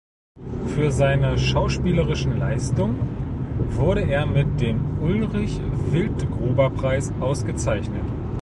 Für seine schauspielerischen Leistung wurde er mit dem Ulrich-Wildgruber-Preis ausgezeichnet.